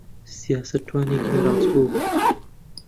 سیاسەتوانێکی ڕاستگۆ بوو.